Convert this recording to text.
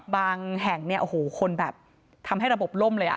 บางแห่งเนี่ยโอ้โหคนแบบทำให้ระบบล่มเลยอ่ะ